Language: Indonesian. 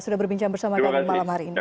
sudah berbincang bersama kami malam hari ini